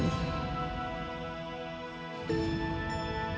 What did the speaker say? rumah yang bisa kita lakukan